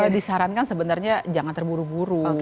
kalau disarankan sebenarnya jangan terburu buru